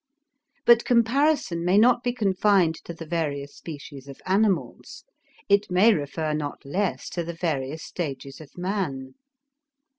But comparison may not be confined to the various species of animals; it may refer not less to the various stages of man.